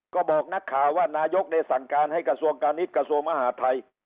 ก็บอกนักข่าวว่านายกได้สั่งการให้กระทรวงการณิตกระทรวงมหาทัย